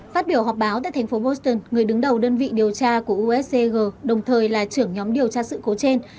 phát biểu họp báo tại thành phố boston người đứng đầu đơn vị điều tra của uscg đồng thời là trưởng nhóm điều tra sự cố trên